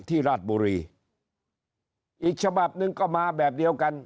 ราชบุรีอีกฉบับหนึ่งก็มาแบบเดียวกัน